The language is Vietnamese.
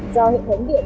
do hệ thống điện